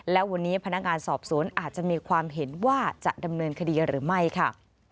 และวันนี้พนักงานสอบสวนอาจจะมีความเห็นว่าจะดำเนินคดีหรือไม่ค่ะ